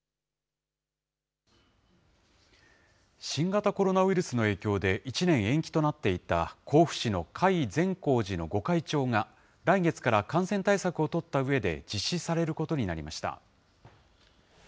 新型コロナウイルスの影響で、１年延期となっていた、甲府市の甲斐善光寺の御開帳が、来月から感染対策を取ったうえで、実施されることになりました。